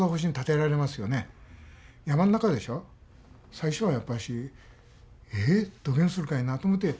最初はやっぱし「えどげんするかいな」と思って。